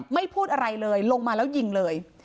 พูดอะไรเลยลงมาแล้วยิงเลย